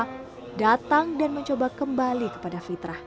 satu persatu preman yang biasa menemannya kalah bertugas di sepanjang pantai utara jawa